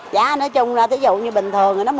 giá nói chung là tí dụ như bình thường thì nó một mươi